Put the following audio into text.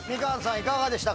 いかがでしたか？